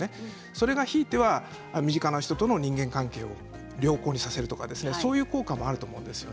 それが、ひいては身近な人との人間関係を良好にさせるとかそういう効果もあると思うんです。